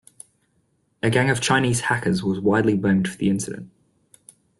A gang of Chinese hackers was widely blamed for the incident.